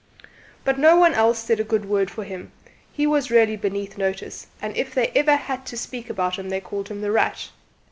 But no one else said a good word for him: he was really beneath notice, and if ever they had to speak about him they called him "The Rat."